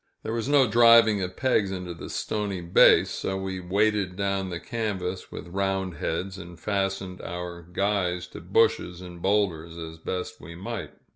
There was no driving of pegs into this stony base, so we weighted down the canvas with round heads, and fastened our guys to bushes and boulders as best we might.